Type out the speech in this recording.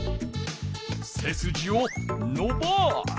せすじをのばす。